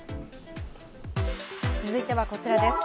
続いてはこちらです。